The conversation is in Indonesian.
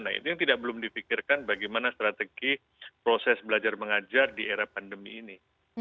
nah itu yang belum dipikirkan bagaimana strategi proses belajar mengajar di era pandemi ini